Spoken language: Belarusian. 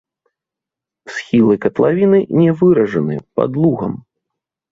Схілы катлавіны не выражаны, пад лугам.